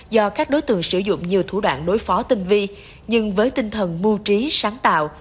do các đối tượng sử dụng nhiều thủ đoạn đối phó tinh vi nhưng với tinh thần mưu trí sáng tạo